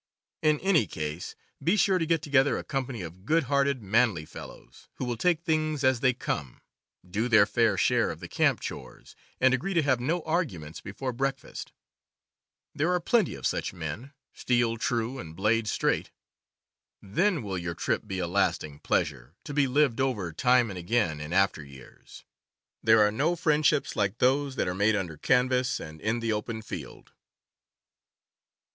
In any case, be sure to get together a company of good hearted, manly fellows, who will take things as they come, do their fair share of the camp chores, and agree to have no arguments before breakfast. There are plenty of such men, steel true and blade straight. Then will your trip be a lasting pleasure, to be lived over time and again in after years. There are no friendships like those that are made under canvas and in the open field.